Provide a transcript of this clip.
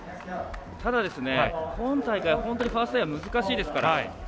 ただ、今大会本当にファーストエア難しいですから。